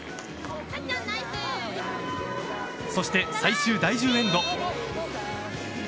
そして最終第１０エンド。